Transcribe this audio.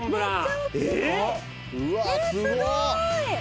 えすごい。